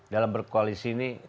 dalam berkoalisi ini